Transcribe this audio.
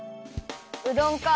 うどんかあ。